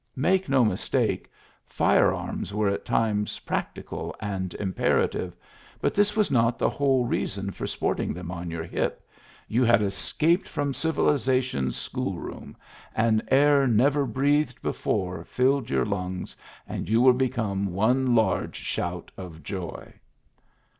Make no mistake: fire arms were at* times practical and imperative, but this was not the whole reason for sporting them on your hip ; you had escaped from civilization's schoolroom, an air never breathed before filled your lungs, and you were become one large shout of joy.